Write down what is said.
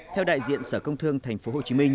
theo đại diện sở công thương tp hcm